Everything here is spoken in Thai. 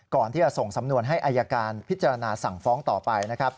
ก่อนที่จะส่งสำนวนให้อายการพิจารณาสั่งฟ้องต่อไปนะครับ